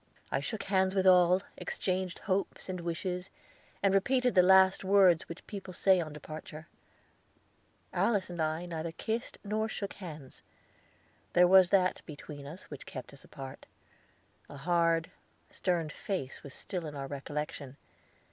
I shook hands with all, exchanged hopes and wishes, and repeated the last words which people say on departure. Alice and I neither kissed nor shook hands. There was that between us which kept us apart. A hard, stern face was still in our recollection.